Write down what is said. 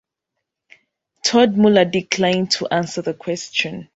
Todd Muller declined to answer the question.